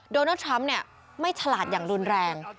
โดนัททรัมป์เนี่ยไม่ถลาดอย่างรุนแรง